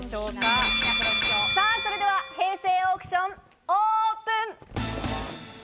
それでは平成オークションオープン！